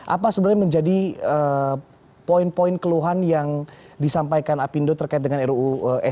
apa sebenarnya menjadi poin poin keluhan yang disampaikan apindo terkait dengan ruu